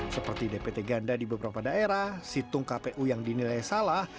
seperti dpt ganda di beberapa daerah situng kpu yang dinilai salah